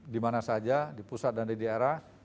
di mana saja di pusat dan di daerah